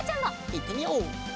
いってみよう！